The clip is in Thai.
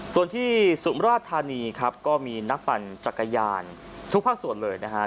ส่วนที่สุมราชธานีครับก็มีนักปั่นจักรยานทุกภาคส่วนเลยนะฮะ